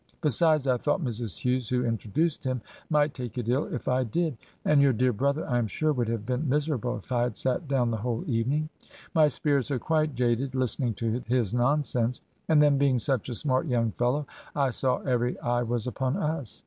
Besides, I thought Mrs. Hughes, who introduced him, might take it ill if I did ; and your dear brother, I am sure, would have been miserable if I had sat down the whole evening. My spirits are quite jaded, listening to his nonsense; and then being such a smart young fellow, I saw every eye was upon us.'